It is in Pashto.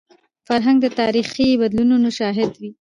فرهنګ د تاریخي بدلونونو شاهد وي.